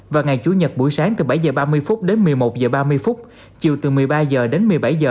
và ngày chủ nhật buổi sáng từ bảy h ba mươi đến một mươi một h ba mươi chiều từ một mươi ba h đến một mươi bảy h